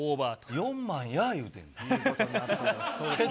４万や言うてんねん。